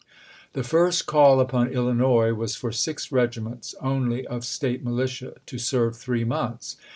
The first call upon Illinois was for six regiments only of State militia to serve three months.